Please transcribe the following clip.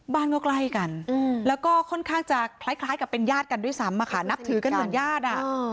บ้านก็ใกล้กันแล้วก็ค่อนข้างจะคล้ายกับเป็นญาติกันด้วยซ้ำอะค่ะนับถือกันเหมือนญาติ